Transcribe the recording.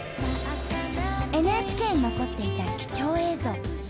ＮＨＫに残っていた貴重映像。